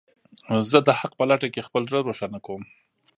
زه د حق په لټه کې خپل زړه روښانه کوم.